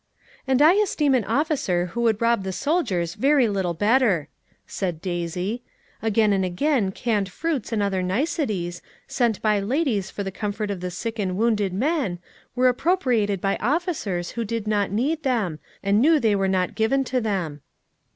"And I esteem an officer who could rob the soldiers very little better," said Daisy. "Again and again canned fruits and other niceties, sent by ladies for the comfort of the sick and wounded men, were appropriated by officers who did not need them, and knew they were not given to them."